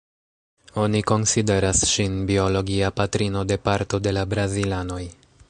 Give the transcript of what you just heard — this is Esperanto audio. Oni konsideras ŝin biologia patrino de parto de la brazilanoj.